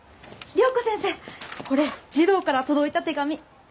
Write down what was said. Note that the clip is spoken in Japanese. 良子先生これ児童から届いた手紙。